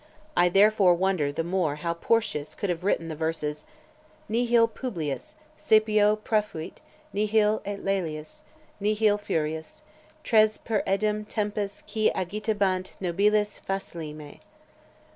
I, therefore, wonder the more how Porcius could have written the verses, nihil Publius Scipio profuit, nihil et Laelius, nihil Furius, Tres per idem tempus qui agitabant nobiles facillime.